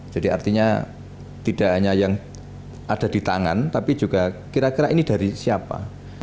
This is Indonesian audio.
jadi artinya tidak hanya yang ada di tangan tapi juga kira kira ini dari siapa